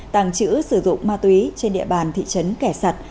tàng chữ sử dụng ma túy trên địa bàn thị trấn kẻ sặt